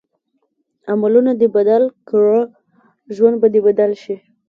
عملونه دې بدل کړه ژوند به دې بدل شي.